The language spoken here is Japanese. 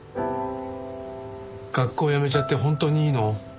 学校やめちゃって本当にいいの？